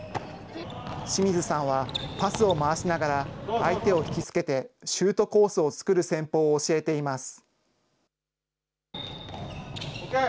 清水さんは、パスを回しながら相手を引きつけてシュートコースを作る戦法を教えています。